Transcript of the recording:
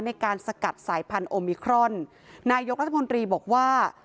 ในการสกัดสายพันธุมิครอนนายกรัฐมนตรีบอกว่า